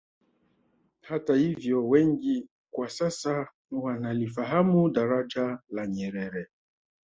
Hata hivyo wengi kwa sasa wanalifahamu Daraja la Nyerere